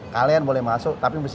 kalian boleh masuk tapi bisa